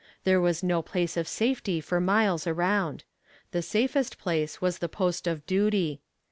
There was no place of safety for miles around; the safest place was the post of duty.